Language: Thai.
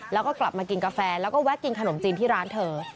แล้วก็กลับมากินกาแฟแล้วก็แวะกินขนมจีนที่ร้านเธอ